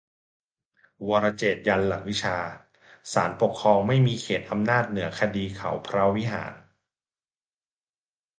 'วรเจตน์' ยันหลักวิชา ศาลปกครองไม่มีเขตอำนาจเหนือคดีเขาพระวิหาร